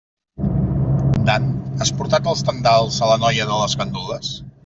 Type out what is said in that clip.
Dan, has portat els tendals a la noia de les gandules?